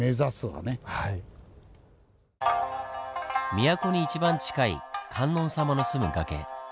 都に一番近い観音様の住む崖。